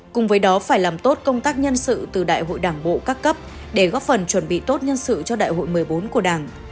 cùng với đó phải làm tốt công tác nhân sự từ đại hội đảng bộ các cấp để góp phần chuẩn bị tốt nhân sự cho đại hội một mươi bốn của đảng